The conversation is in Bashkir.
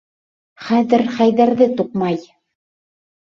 Хәҙер Хәйҙәрҙе туҡмай!